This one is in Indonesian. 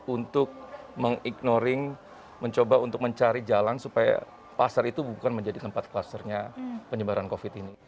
untuk meng ignoring mencoba untuk mencari jalan supaya pasar itu bukan menjadi tempat klusternya penyebaran covid ini